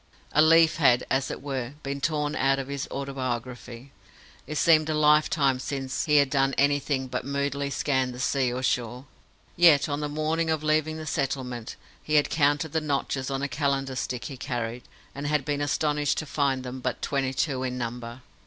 A leaf had, as it were, been torn out of his autobiography. It seemed a lifetime since he had done anything but moodily scan the sea or shore. Yet, on the morning of leaving the settlement, he had counted the notches on a calendar stick he carried, and had been astonished to find them but twenty two in number.